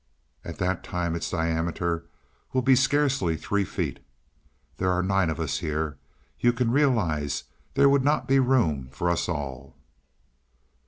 At that time its diameter will be scarcely three feet. There are nine of us here; you can realize there would not be room for us all.